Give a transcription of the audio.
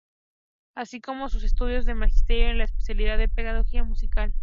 Así como sus estudios de Magisterio, en la especialidad de Pedagogía Musical.